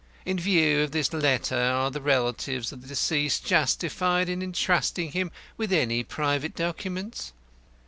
In view of this letter, are the relatives of the deceased justified in entrusting him with any private documents?